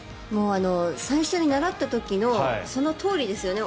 最初に習った時のそのとおりですよね。